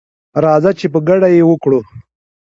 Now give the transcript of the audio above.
راځه چي په ګډه یې وکړو